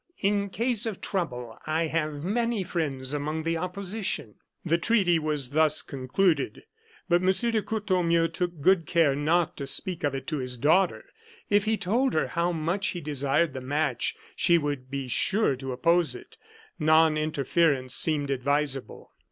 "In case of trouble, I have many friends among the opposition." The treaty was thus concluded; but M. de Courtornieu took good care not to speak of it to his daughter. If he told her how much he desired the match, she would be sure to oppose it. Non interference seemed advisable.